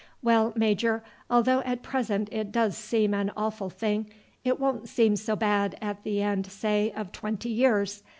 "Well, major, although at present it does seem an awful thing, it won't seem so bad at the end, say, of twenty years.